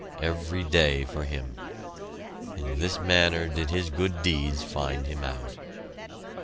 every day for him! In this manner did his good deeds find him out.